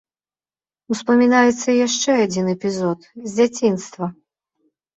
Успамінаецца і яшчэ адзін эпізод, з дзяцінства.